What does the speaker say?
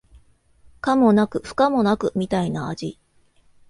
可もなく不可もなくみたいな味